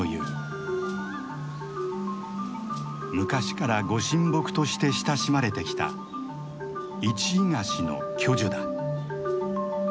昔からご神木として親しまれてきたイチイガシの巨樹だ。